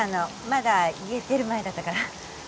まだ家出る前だったから。